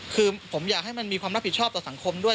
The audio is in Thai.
คือผมอยากให้มันมีความรับผิดชอบต่อสังคมด้วย